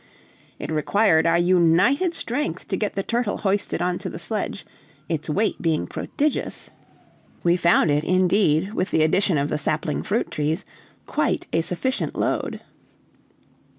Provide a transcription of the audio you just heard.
It required our united strength to get the turtle hoisted on to the sledge, its weight being prodigious; we found it, indeed, with the addition of the sapling fruit trees, quite a sufficient load.